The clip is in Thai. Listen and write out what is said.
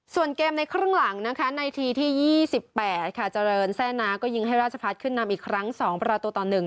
ส่วนเกมในครึ่งหลังนะคะในทีที่๒๘ค่ะเจริญแซ่นาก็ยิงให้ราชพัฒน์ขึ้นนำอีกครั้ง๒ประตูต่อ๑